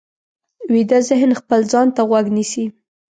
ویده ذهن خپل ځان ته غوږ نیسي